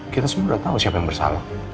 kita semua sudah tahu siapa yang bersalah